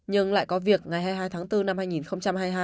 nhưng lại có việc ngày hai mươi hai tháng bốn năm hai nghìn hai mươi hai